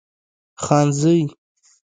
خانزۍ